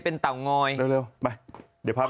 สวัสดีค่ะ